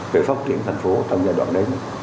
về phát triển thành phố trong giai đoạn đấy